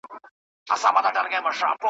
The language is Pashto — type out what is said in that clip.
که تاریخونه مو په ریشتیا وای ,